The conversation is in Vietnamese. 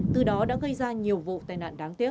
từ đó đã gây ra nhiều vụ tai nạn đáng tiếc